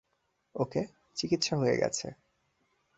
ওকে, চিকিৎসা হয়ে গেছে।